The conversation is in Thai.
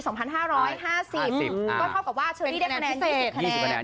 ก็ครอบครับว่าชะลี่ได้คะแนน๒๐คะแนนโอ้โหเป็นคะแนนพิเศษ